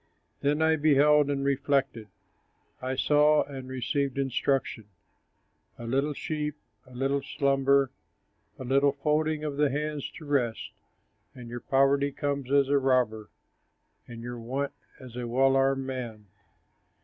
Then I beheld and reflected, I saw and received instruction: A little sleep, a little slumber, A little folding of the hands to rest, And your poverty comes as a robber, And your want as a well armed man.